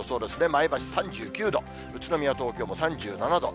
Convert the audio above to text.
前橋３９度、宇都宮、東京も３７度。